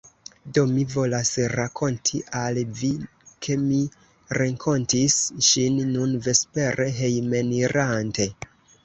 Do mi volas rakonti al Vi, ke mi renkontis ŝin nun vespere, hejmenirante.